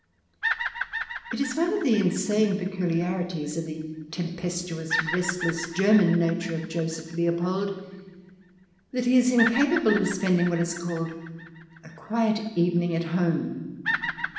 ««««« It is one of the insane peculiarities of the tempes tuous, restless, German nature of Joseph Leopold that he is incapable of spending what is called a quiet evening at home.